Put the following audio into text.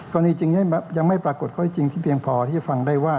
ตอนนี้จึงยังไม่ปรากฏข้อให้จริงที่เพียงพอที่จะฟังได้ว่า